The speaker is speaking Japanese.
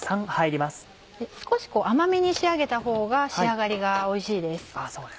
少し甘めに仕上げたほうが仕上がりがおいしいです。